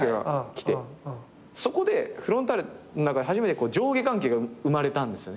そこでフロンターレの中で初めて上下関係が生まれたんです。